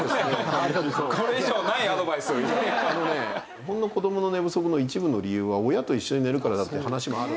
日本の子どもの寝不足の一部の理由は親と一緒に寝るからだって話もある。